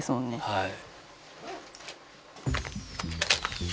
はい。